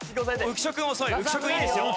浮所君いいですよ。